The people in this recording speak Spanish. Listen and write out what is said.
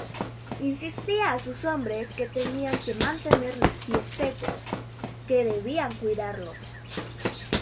Insistía a sus hombres que tenían que mantener los pies secos, que debían cuidarlos.